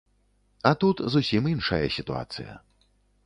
А тут зусім іншая сітуацыя.